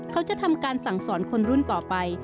เขาจะทำการสั่งสอนคนรุ่นต่อไป